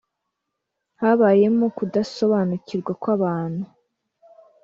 habayemo kudasobanukirwa kw’abantu